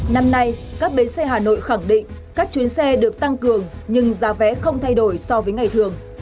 năm nay các bến xe hà nội khẳng định các chuyến xe được tăng cường nhưng giá vé không thay đổi so với ngày thường